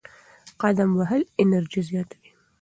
قدم وهل انرژي زیاتوي.